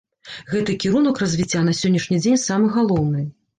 Гэты кірунак развіцця на сённяшні дзень самы галоўны.